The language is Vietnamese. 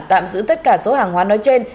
tạm giữ tất cả số hàng hóa nói trên